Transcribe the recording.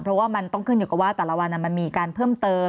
เพราะว่ามันต้องขึ้นอยู่กับว่าแต่ละวันมันมีการเพิ่มเติม